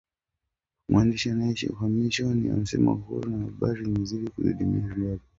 Mwandishi anayeishi uhamishoni asema uhuru wa habari umezidi kudidimia Zimbabwe